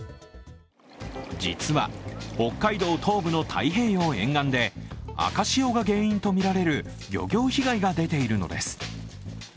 実は、北海道東部の太平洋沿岸で赤潮が原因とみられる漁業被害が出ているのです。